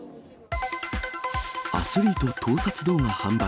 アスリート盗撮動画販売。